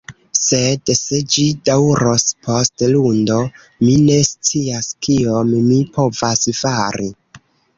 Sed, se ĝi daŭros post Lundo, mi ne scias kion mi povas fari.